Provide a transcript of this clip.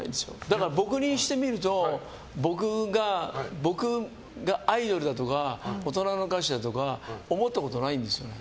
だから、僕にしてみると僕がアイドルだとか大人の歌手だとか思ったことないんですよね。